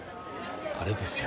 あれですよ・